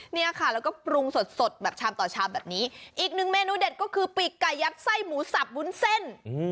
เนี่ยค่ะแล้วก็ปรุงสดสดแบบชามต่อชามแบบนี้อีกหนึ่งเมนูเด็ดก็คือปีกไก่ยัดไส้หมูสับวุ้นเส้น